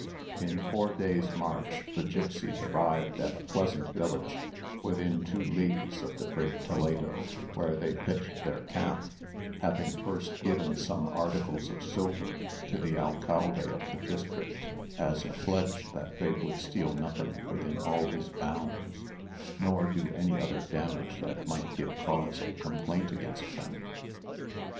In four days' march, the gipsies arrived at a pleasant village, within two leagues of the great Toledo, where they pitched their camp, having first given some articles of silver to the alcalde of the district, as a pledge that they would steal nothing within all his bounds, nor do any other damage that might give cause of complaint against them.